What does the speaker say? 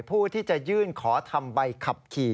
ผู้ที่จะยื่นขอทำใบขับขี่